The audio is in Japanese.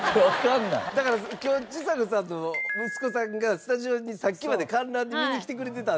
だから今日ちさ子さんの息子さんがスタジオにさっきまで観覧で見に来てくれてたんですよ。